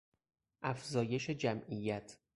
افزایش جمعیت